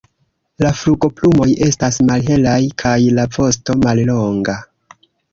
La flugoplumoj estas malhelaj kaj la vosto mallonga.